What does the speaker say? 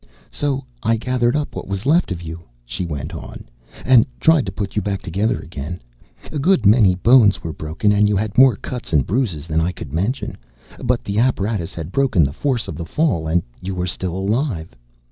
"So I gathered up what was left of you," she went on, "and tried to put you back together again. A good many bones were broken, and you had more cuts and bruises than I could mention; but the apparatus had broken the force of the fall, and you were still alive.